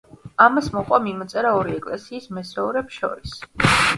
ამას მოჰყვა მიმოწერა ორი ეკლესიის მესვეურებს შორის.